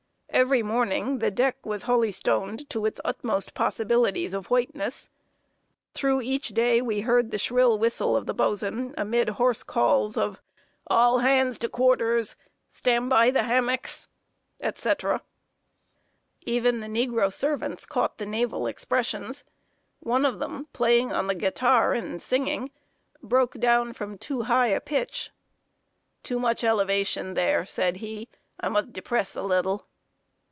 Every morning the deck was holystoned to its utmost possibilities of whiteness. Through each day we heard the shrill whistle of the boatswain, amid hoarse calls of "All hands to quarters," "Stand by the hammocks!" etc. Even the negro servants caught the naval expressions. One of them, playing on the guitar and singing, broke down from too high a pitch. "Too much elevation there," said he. "I must depress a little."